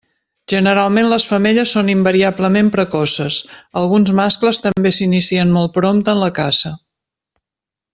Generalment les femelles són invariablement precoces; alguns mascles també s'inicien molt prompte en la caça.